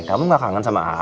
kamu gak kangen sama aku